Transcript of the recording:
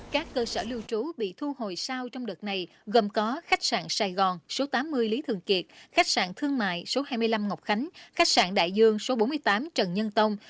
các cơ sở lưu trú bị thu hồi sau trong đợt này gồm có khách sạn sài gòn số tám mươi lý thường kiệt khách sạn thương mại số hai mươi năm ngọc khánh khách sạn đại dương số bốn mươi tám trần nhân tông